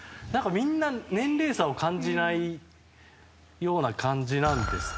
みんな年齢差を感じないような感じなんですか？